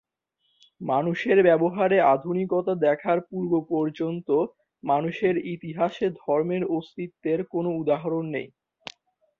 মানুষের ব্যবহারে আধুনিকতা দেখার পূর্ব পর্যন্ত মানুষের ইতিহাসে ধর্মের অস্তিত্বের কোনো উদাহরণ নেই।